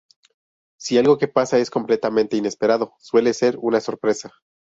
Si algo que pasa es completamente inesperado suele ser una sorpresa.